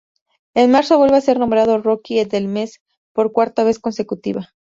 En marzo vuelve a ser nombrado Rookie del Mes por cuarta vez consecutiva.